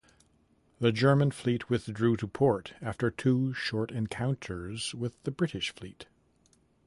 The German fleet withdrew to port after two short encounters with the British fleet.